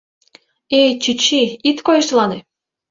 Эй, чӱчӱ, ит койышлане!